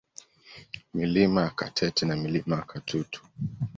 Milima ya Katete na Milima ya Katutu